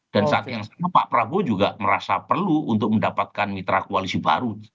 dan saat yang sama pak prabowo juga merasa perlu untuk mendapatkan mitra koalisi baru